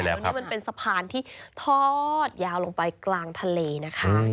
แล้วนี่มันเป็นสะพานที่ทอดยาวลงไปกลางทะเลนะคะ